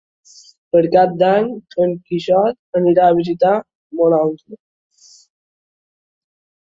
Per Cap d'Any en Quixot anirà a visitar mon oncle.